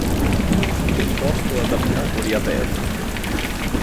Biposto ad abitacoli aperti.